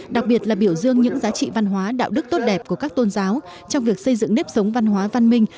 đặc biệt là biểu dương những giá trị văn hóa đạo đức tốt đẹp của các tôn giáo trong việc xây dựng nếp sống văn hóa văn minh